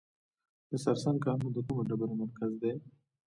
د سرسنګ کانونه د کومې ډبرې مرکز دی؟